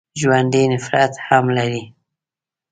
ژوندي نفرت هم لري